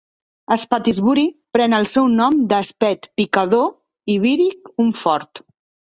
Spetisbury pren el seu nom de speht - picador i byrig - un fort.